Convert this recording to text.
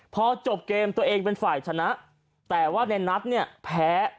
พอจบเกมตัวเองเป็นฝ่ายชนะแต่ว่าในนัทเนี่ยแพ้